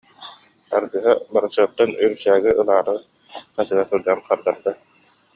аргыһа бырысыаптан үрүсээгин ылаары хасыһа сылдьан хардарда